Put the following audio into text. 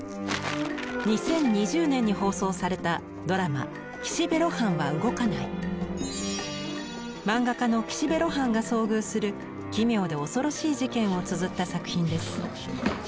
２０２０年に放送されたドラマ漫画家の岸辺露伴が遭遇する奇妙で恐ろしい事件をつづった作品です。